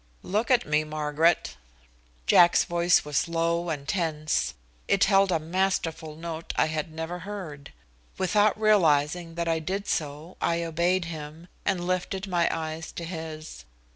"Look at me, Margaret." Jack's voice was low and tense. It held a masterful note I had never heard. Without realizing that I did so, I obeyed him, and lifted my eyes to his.